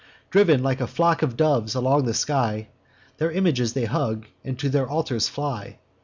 Driv'n like a flock of doves along the sky, Their images they hug, and to their altars fly.